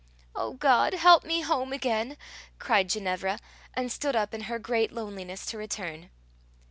"O God, help me home again," cried Ginevra, and stood up in her great loneliness to return.